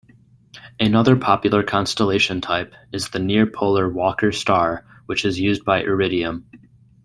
Another popular constellation type is the near-polar Walker Star, which is used by Iridium.